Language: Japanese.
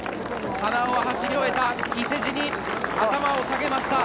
花尾は走り終えた伊勢路に頭を下げました。